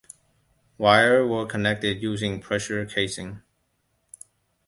Wires were connected using pressure casing.